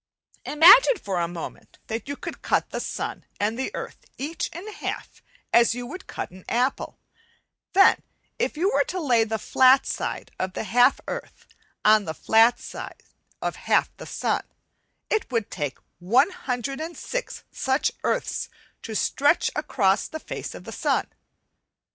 Imagine for a moment that you could cut the sun and the earth each in half as you would cut an apple; then if you were to lay the flat side of the half earth on the flat side of the half sun it would take 106 such earths to stretch across the face of the sun.